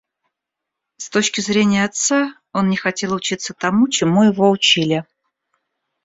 С точки зрения отца, он не хотел учиться тому, чему его учили.